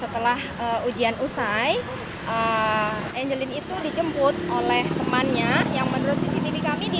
terekam dia di sini ya